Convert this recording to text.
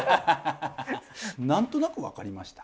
なんとなくわかりました？